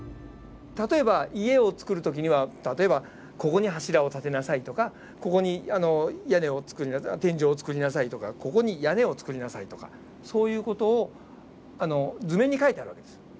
例えば家を造る時には例えばここに柱を立てなさいとかここに天井を造りなさいとかここに屋根を造りなさいとかそういう事を図面に描いてある訳です。